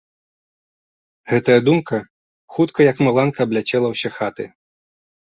Гэтая думка хутка, як маланка, абляцела ўсе хаты.